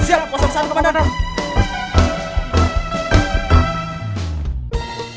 jalan satu komandan